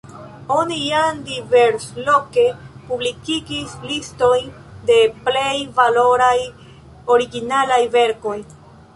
Oni jam diversloke publikigis listojn de plej valoraj originalaj verkoj.